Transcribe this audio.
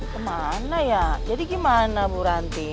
ke mana ya jadi gimana bu ranti